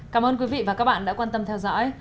cảm ơn quý vị và các bạn đã quan tâm theo dõi